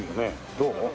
どう？